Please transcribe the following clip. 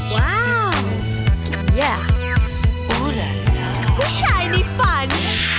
ว้าวพุชายในฝัน